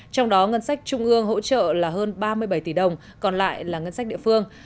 trong đó ngân sách trung ương hỗ trợ là hơn ba mươi bảy tỷ đồng còn lại là ngân sách địa phương